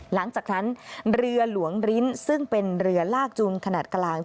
หลังจากนั้นเรือหลวงริ้นซึ่งเป็นเรือลากจูนขนาดกลาง